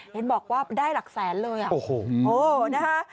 เห็นบอกว่าได้หลักแสนเลยอ่ะโอ้โหนะคะ